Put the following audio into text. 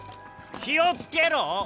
気を付けろ！